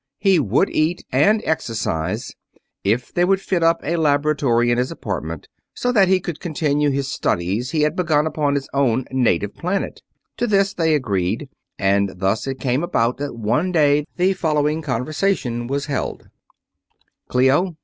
He would eat and exercise if they would fit up a laboratory in his apartment, so that he could continue the studies he had begun upon his own native planet. To this they agreed, and thus it came about that one day the following conversation was held: "Clio?